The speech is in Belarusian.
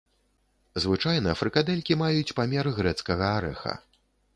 Звычайна фрыкадэлькі маюць памер грэцкага арэха.